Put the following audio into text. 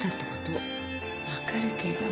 分かるけど。